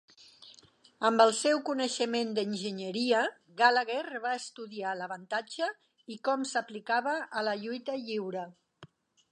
Amb el seu coneixement d'enginyeria, Gallagher va estudiar l'avantatge i com s'aplicava a la lluita lliure.